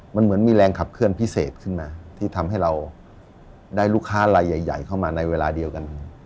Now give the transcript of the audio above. มันเหมือนมีแรงขับเคลื่อนพิเศษขึ้นมาที่ทำให้เราได้ลูกค้าลายใหญ่เข้ามาในเวลาเดียวกัน